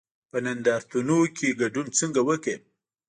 په نندارتونونو کې ګډون څنګه وکړم؟